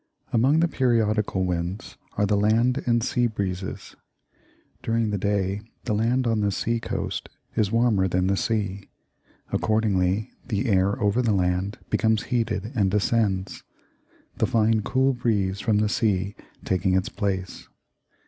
Among the periodical winds are the "land and sea breezes." During the day, the land on the sea coast is warmer than the sea; accordingly, the air over the land becomes heated and ascends, the fine cool breeze from the sea taking its place.